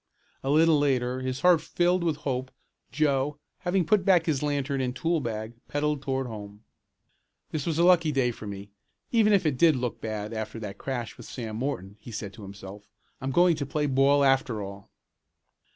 A little later, his heart filled with hope, Joe, having put back his lantern and tool bag pedaled toward home. "This was a lucky day for me, even if it did look bad after that crash with Sam Morton," he said to himself. "I'm going to play ball, after all!"